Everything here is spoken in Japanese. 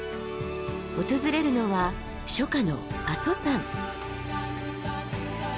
訪れるのは初夏の阿蘇山。